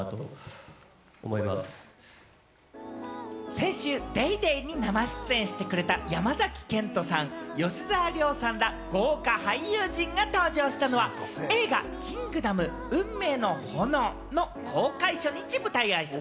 先週『ＤａｙＤａｙ．』に生出演してくれた山崎賢人さん、吉沢亮さんら豪華俳優陣が登場したのは、映画『キングダム運命の炎』の公開初日舞台あいさつ。